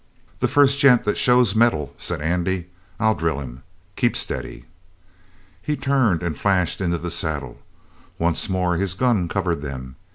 "The first gent that shows metal," said Andy, "I'll drill him. Keep steady!" He turned and flashed into the saddle. Once more his gun covered them.